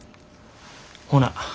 ほな。